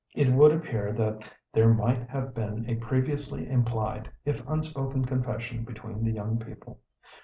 It would appear that there might have been a previously implied, if unspoken confession between the young people.